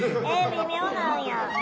微妙なんや。